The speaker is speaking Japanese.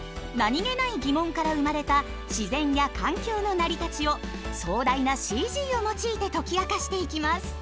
何気ない疑問から生まれた自然や環境の成り立ちを壮大なＣＧを用いて解き明かしていきます。